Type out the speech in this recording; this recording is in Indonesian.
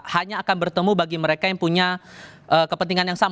hanya akan bertemu bagi mereka yang punya kepentingan yang sama